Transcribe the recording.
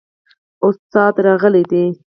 استاد راغلی دی؟